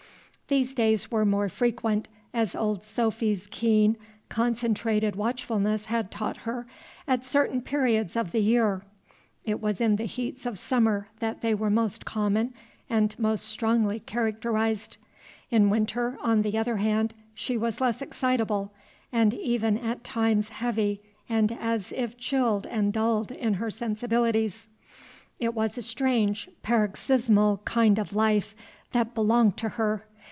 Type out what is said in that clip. These days were more frequent, as old Sophy's keen, concentrated watchfulness had taught her, at certain periods of the year. It was in the heats of summer that they were most common and most strongly characterized. In winter, on the other hand, she was less excitable, and even at times heavy and as if chilled and dulled in her sensibilities. It was a strange, paroxysmal kind of life that belonged to her.